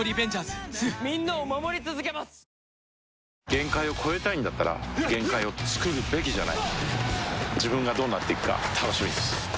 限界を越えたいんだったら限界をつくるべきじゃない自分がどうなっていくか楽しみです